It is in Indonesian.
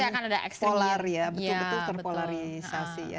betul betul terpolarisasi